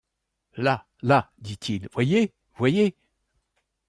Là! là, dit-il, voyez ! voyez !